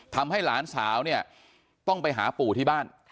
ทำให้หลานสาวเนี่ยต้องไปหาปู่ที่บ้าน